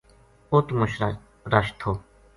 اُت مچ رش تھو